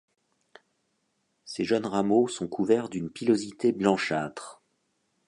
Ses jeunes rameaux sont couverts d’une pilosité blanchâtre.